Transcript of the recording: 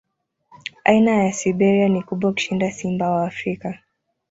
Aina ya Siberia ni kubwa kushinda simba wa Afrika.